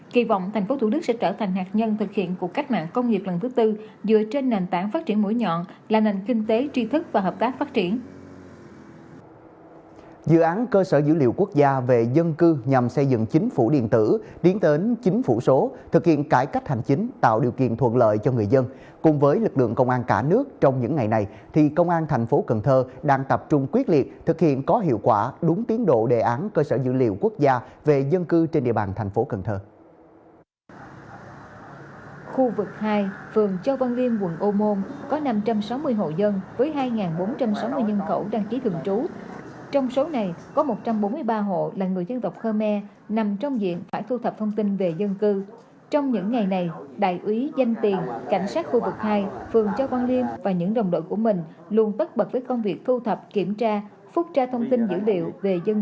kỳ vọng thành phố thủ đức sẽ trở thành hạt nhân thực hiện cuộc cách mạng công nghiệp lần thứ tư dựa trên nền tảng phát triển mũi nhọn là nành kinh tế tri thức và hợp tác phát triển